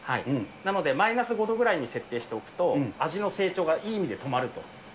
なので、マイナス５度ぐらいに設定しておくと、味の成長がいい意味で止まると。